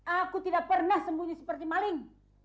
aku tidak pernah sembunyi seperti maling